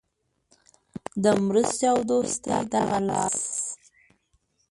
د مرستې او دوستۍ دغه لاس.